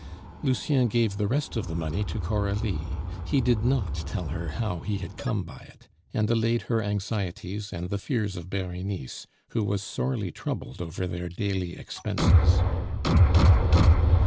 Lucien gave the rest of the money to Coralie (he did not tell her how he had come by it), and allayed her anxieties and the fears of Berenice, who was sorely troubled over their daily expenses.